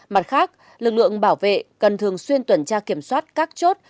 mặt khác lực lượng bảo vệ cần thường xuyên tuần tra kiểm soát các chốt